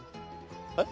えっ？